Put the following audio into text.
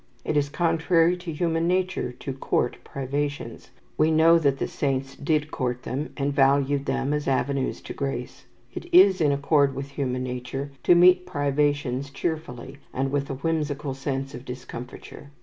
It is contrary to human nature to court privations. We know that the saints did court them, and valued them as avenues to grace. It is in accord with human nature to meet privations cheerfully, and with a whimsical sense of discomfiture.